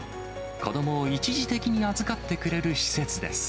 子どもを一時的に預かってくれる施設です。